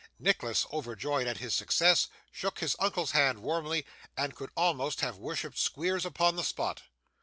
Nicholas, overjoyed at his success, shook his uncle's hand warmly, and could almost have worshipped Squeers upon the spot.